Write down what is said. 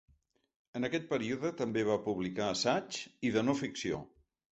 En aquest període també va publicar assaigs i de no-ficció.